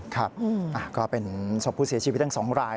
ครับก็เป็นศพผู้เสียชีวิตทั้ง๒ราย